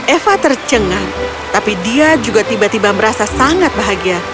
eva tercengang tapi dia juga tiba tiba merasa sangat bahagia